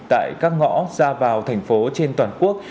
tại các ngõ ra vào thành phố trên toàn quốc